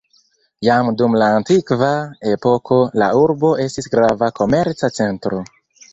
Jam dum la antikva epoko la urbo estis grava komerca centro.